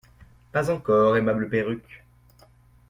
Pas encore, aimable perruque !…